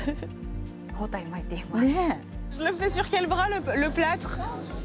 包帯巻いています。